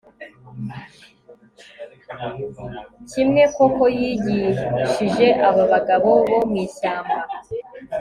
Kimwe coco yigishije aba bagabo bo mwishyamba